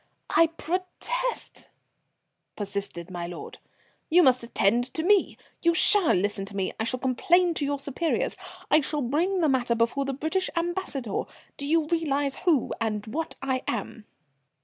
"I protest," persisted my lord. "You must attend to me you shall listen to me. I shall complain to your superiors I shall bring the matter before the British ambassador. Do you realize who and what I am?"